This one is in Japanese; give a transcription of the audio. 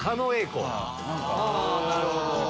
なるほど。